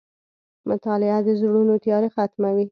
• مطالعه د زړونو تیاره ختموي.